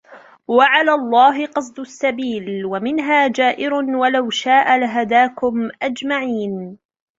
وعلى الله قصد السبيل ومنها جائر ولو شاء لهداكم أجمعين